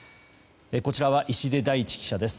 こちらは石出大地記者です。